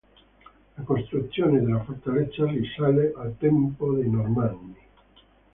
La costruzione della fortezza risale al tempo dei normanni.